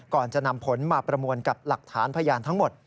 ก่อนจะนำผลมาประมวลกับหลักฐานพยานทั้งหมด